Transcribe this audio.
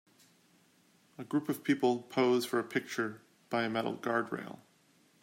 A group of people pose for a picture by a metal guard rail.